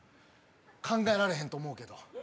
考えられへんと思うけど。